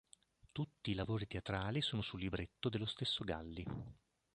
Tutti i lavori teatrali sono su libretto dello stesso Galli.